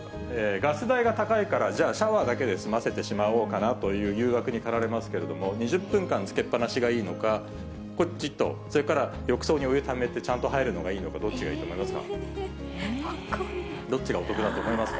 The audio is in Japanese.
ガス代が高いから、じゃあ、シャワーだけで済ませてしまおうかなという誘惑に駆られますけれども、２０分間つけっ放しがいいのか、これ、１と、浴槽にお湯をためて、ちゃんと入るのがいいのか、どっちがいいと思いますか。